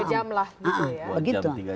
dua jam lah gitu ya